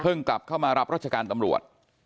กลับเข้ามารับรัชการตำรวจ